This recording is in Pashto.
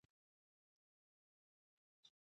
مجاهد د نیکۍ لپاره راپاڅېږي.